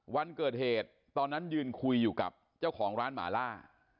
วันเกิดเหตุตอนนั้นยืนคุยอยู่กับเจ้าของร้านหมาล่า